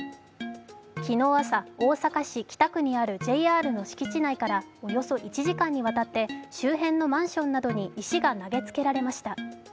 昨日朝、大阪市北区にあるＪＲの敷地内からおよそ１時間にわたって周辺のマンションなどに石が投げつけられました。